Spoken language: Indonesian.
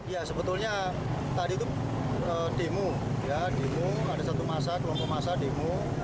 ya sebetulnya tadi itu demo demo ada satu masa kelompok masa demo